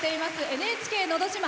「ＮＨＫのど自慢」。